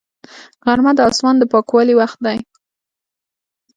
غرمه د اسمان د پاکوالي وخت دی